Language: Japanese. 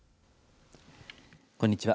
こんにちは。